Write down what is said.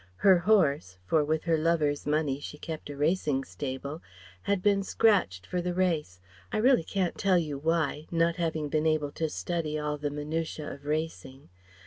Her horse for with her lovers' money she kept a racing stable had been scratched for the race I really can't tell you why, not having been able to study all the minutiæ of racing.